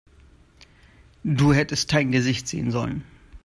Du hättest dein Gesicht sehen sollen!